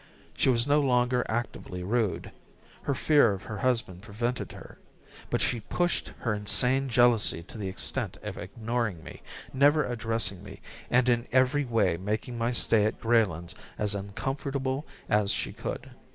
She was no longer actively rude her fear of her husband prevented her but she pushed her insane jealousy to the extent of ignoring me, never addressing me, and in every way making my stay at Greylands as uncomfortable as she could.